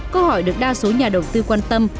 câu hỏi được đa số nhà đầu tư quan tâm